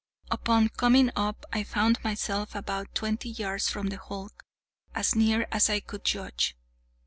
Upon coming up I found myself about twenty yards from the hulk, as near as I could judge.